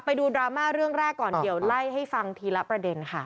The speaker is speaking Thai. ไปดูดราม่าเรื่องแรกก่อนเดี๋ยวไล่ให้ฟังทีละประเด็นค่ะ